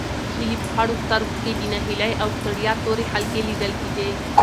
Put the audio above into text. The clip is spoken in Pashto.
د هیلې په خړو سترګو کې د ناهیلۍ او ستړیا تورې حلقې لیدل کېدې.